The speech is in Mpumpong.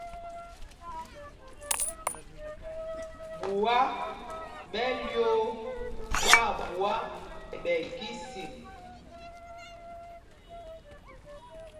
Ɓuá ɓɛ lyōō ɓwâɓuá ɓɛ kísin.